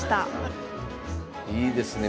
いいですね